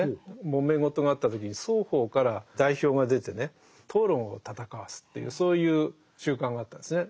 もめ事があった時に双方から代表が出てね討論を戦わすっていうそういう習慣があったんですね。